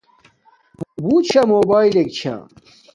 بوت شا بوباݵلک چھا